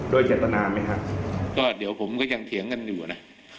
เดี๋ยวผมก็ยังเถียงกันอยู่นะ